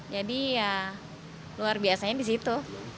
jadi ya luar biasanya di situ